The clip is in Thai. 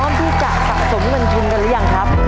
ที่จะสะสมเงินทุนกันหรือยังครับ